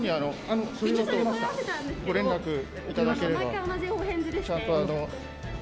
毎回同じお返事ですね。